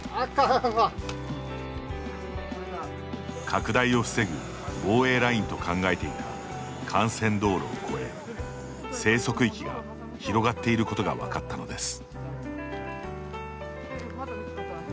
拡大を防ぐ防衛ラインと考えていた幹線道路を越え生息域が広がっていることが分かったのです。